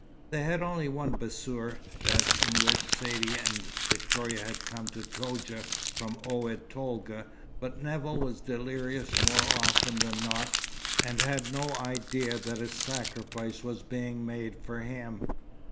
They had only the one bassour; that in which Saidee and Victoria had come to Toudja from Oued Tolga, but Nevill was delirious more often than not, and had no idea that a sacrifice was being made for him.